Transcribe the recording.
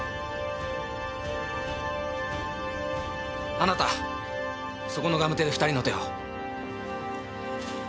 あなたそこのガムテで２人の手を。